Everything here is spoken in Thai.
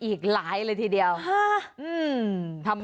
ก็คือเธอนี่มีความเชี่ยวชาญชำนาญ